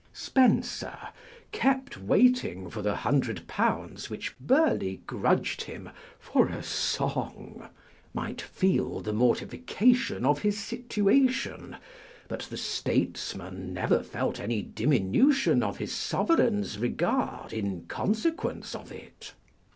Spenser, kept waiting for the hundred pounds which Bur leigh grudged him "for a song," might feel the mortifica tion of his situation ; but the statesman never felt any diminution of his Sovereign's regard in consequence of it.